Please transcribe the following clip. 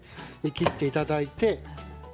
切っていただいて。